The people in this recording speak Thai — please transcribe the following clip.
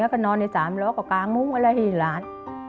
ก็นอนในสามล้อกับกลางมุมอะไรให้หลาน